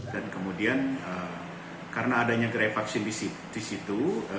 dan kemudian karena adanya gerai vaksin di situ